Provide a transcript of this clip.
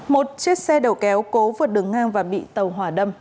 một chiếc xe đầu kéo cố vượt đường ngang và bị tàu hỏa đâm